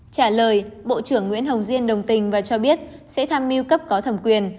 trả lời bộ trưởng nguyễn hồng diên đồng tình và cho biết sẽ tham mưu cấp có thẩm quyền